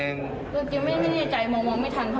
แต่หลวงชัดขึ้นเขา